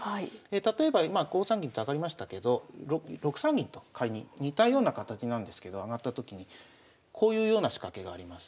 例えば５三銀と上がりましたけど６三銀と仮に似たような形なんですけど上がったときにこういうような仕掛けがあります。